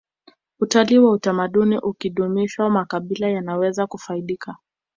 utalii wa utamaduni ukidumishwa makabila yanaweza kufaidika